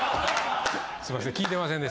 すいません。